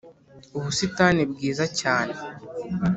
ubusitani bwiza cyane